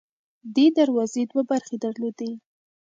دې دروازې دوه برخې درلودې.